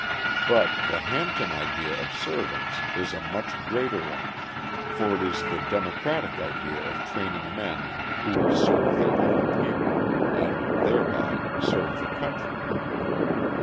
But the "Hampton idea" of servants is a much greater one, for it is the democratic idea of training men who will serve their own people and thereby serve the country.